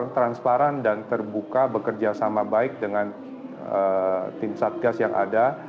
transparan dan terbuka bekerja sama baik dengan tim satgas yang ada